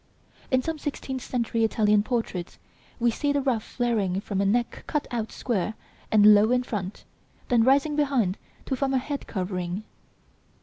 In some sixteenth century Italian portraits we see the ruff flaring from a neck cut out square and low in front, then rising behind to form a head covering.